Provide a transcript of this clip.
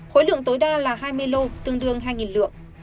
khối lượng tối đa là hai mươi lô tương đương hai lượng